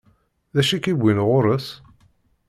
D acu i k-iwwin ɣur-s?